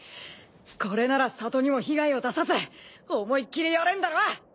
これなら里にも被害を出さず思いっきりやれんだろ？